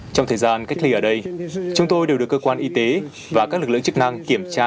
trong thời gian cách ly ở đây chúng tôi đều được cơ quan y tế và các lực lượng chức năng kiểm tra